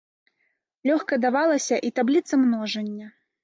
Лёгка давалася і табліца множання.